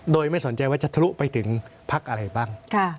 โดยไม่สนใจว่าจะทะลุไปถึงพักอะไรบ้าง